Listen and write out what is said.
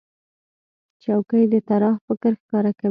چوکۍ د طراح فکر ښکاره کوي.